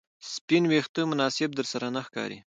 سپین ویښته مناسب درسره نه ښکاري